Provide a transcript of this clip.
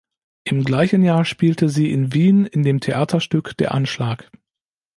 Im gleichen Jahr spielte sie in Wien in dem Theaterstück "Der Anschlag".